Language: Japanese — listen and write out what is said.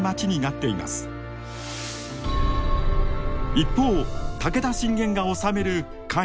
一方武田信玄が治める甲斐。